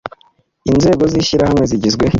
inzego z ishyirahamwe zigizwe